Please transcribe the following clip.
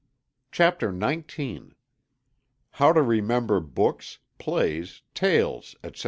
CHAPTER XIX. HOW TO REMEMBER BOOKS, PLAYS, TALES, ETC.